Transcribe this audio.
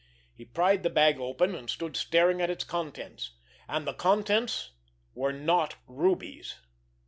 He pried the bag open, and stood staring at its contents. And the contents were not rubies!